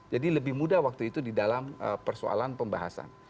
jadi lebih mudah waktu itu di dalam persoalan pembahasan